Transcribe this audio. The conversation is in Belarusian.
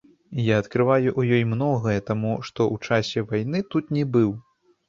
Я адкрываю ў ёй многае, таму што ў часе вайны тут не быў.